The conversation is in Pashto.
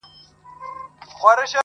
پوليس د کور ځيني وسايل له ځان سره وړي,